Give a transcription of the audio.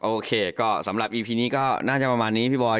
โอเคก็สำหรับอีพีนี้ก็น่าจะประมาณนี้พี่บอย